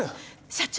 社長！